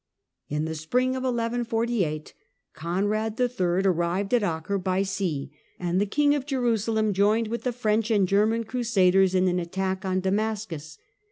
In the spring of 1148 Conrad III. arrived at Acre by sea, and the King, of Jerusalem joined with the French and German Crusaders in an attack on Damascus.